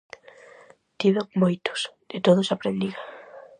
Tiven moitos, de todos aprendín.